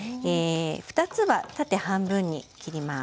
２つは縦半分に切ります。